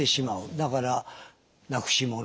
だからなくしもの